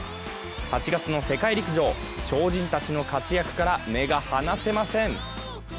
８月の世界陸上、超人たちの活躍から目が離せません。